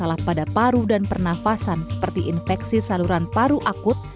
masalah pada paru dan pernafasan seperti infeksi saluran paru akut